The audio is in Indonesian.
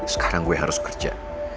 sekarang gue harus kerja